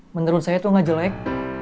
menurut saya itu nggak jelek